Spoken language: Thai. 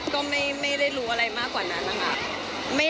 ก็ไม่รู้เหมือนกันว่าเป็นยังไง